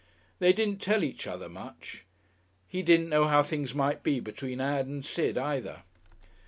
They didn't tell each other much.... He didn't know how things might be between Ann and Sid, either.